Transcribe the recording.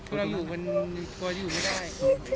เพราะหนูเป็นคนที่อยู่ไม่ได้